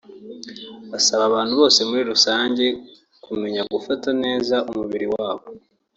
Asaba abantu bose muri rusange kumenya gufata neza umubiri wabo